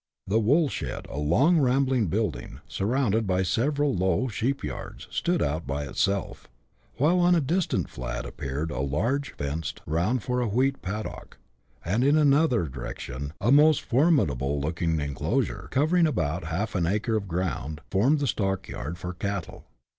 The wool shed, a long rambling building, surrounded by several low sheep yards, stood out by itself; while on a distant " flat " appeared a large space, fenced round for a wheat " paddock •" and in another direction a most for 12 BUSH LIFE IN AUSTRALIA. [chap. i. midable looking enclosure, covering about half an acre of ground, formed the stockyard for cattle.